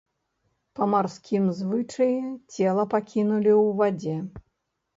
Па марскім звычаі цела пакінулі ў вадзе.